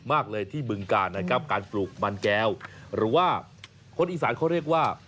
มากเลยที่บึงกาลนะครับการปลูกมันแก้วหรือว่าคนอีสานเขาเรียกว่า